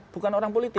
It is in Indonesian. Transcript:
bukan orang politik